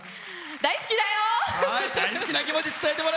大好きだよ！